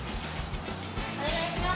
お願いします。